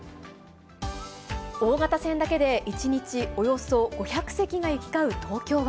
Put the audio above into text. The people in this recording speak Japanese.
大型船だけで１日およそ５００隻が行き交う東京湾。